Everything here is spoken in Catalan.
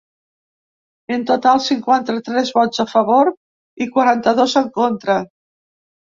En total, cinquanta-tres vots a favor i quaranta-dos en contra.